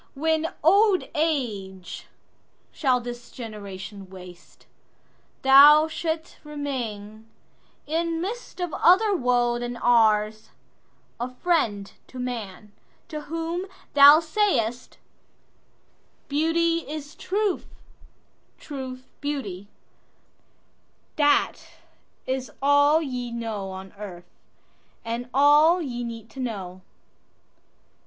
When old age shall this generation waste, Thou shalt remain, in midst of other woeThan ours, a friend to man, to whom thou say'st,"Beauty is truth, truth beauty,"—that is allYe know on earth, and all ye need to know.